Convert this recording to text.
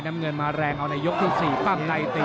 น้ำเงินมาแรงเอาในยกที่๔ปั้งในตี